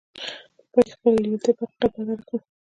په پای کې يې خپله لېوالتیا په حقيقت بدله کړه.